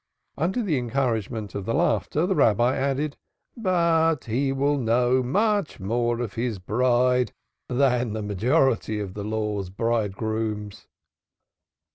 Under the encouragement of the laughter, the Rabbi added: "But he will know much more of his Bride than the majority of the Law's Bridegrooms."